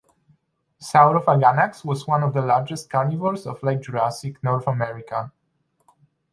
"Saurophaganax" was one of the largest carnivores of Late Jurassic North America.